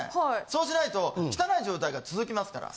そうしないと汚い状態が続きますから。